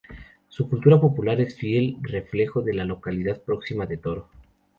Su cultura popular es fiel reflejo de la localidad próxima de Toro.